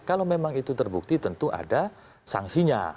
kalau memang itu terbukti tentu ada sanksinya